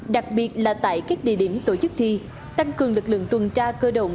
đặc biệt là tại các địa điểm tổ chức thi tăng cường lực lượng tuần tra cơ động